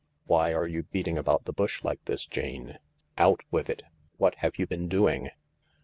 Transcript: Why are you beating about the bush like this, Jane ? Out with it 1 What have you been doing